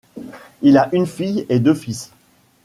Il a une fille et deux fils.